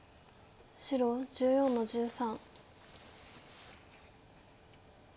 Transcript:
白１４の十三。